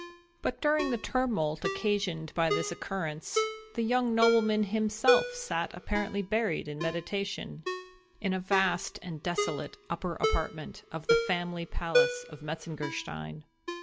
But during the tumult occasioned by this occurrence, the young nobleman himself sat apparently buried in meditation, in a vast and desolate upper apartment of the family palace of Metzengerstein.